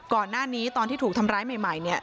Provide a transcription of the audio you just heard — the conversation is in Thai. ทีนี้ตอนที่ถูกทำร้ายใหม่เนี้ย